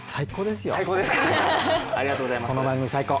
この番組、最高。